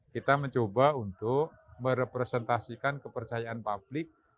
kita mencoba untuk merepresentasikan kepercayaan publik